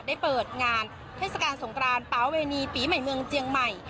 ได้เปิดงานเทศกาลสงครานป๊าเวณีปีใหม่เมืองเจียงใหม่